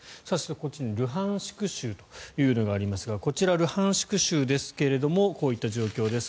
こっちにルハンシク州というのがありますがこちらルハンシク州ですがこういった状況です。